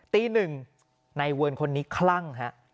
ตี๑ในเวินคนนี้คลั่งฮะ